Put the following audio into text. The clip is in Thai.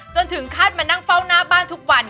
จนถึงขั้นมานั่งเฝ้าหน้าบ้านทุกวัน